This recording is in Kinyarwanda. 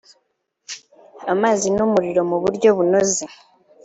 amazi n umuriro mu buryo bunoze